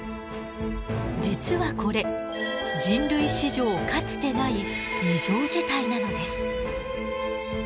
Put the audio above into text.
実はこれ人類史上かつてない異常事態なのです。